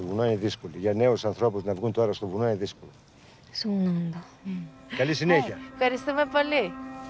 そうなんだ。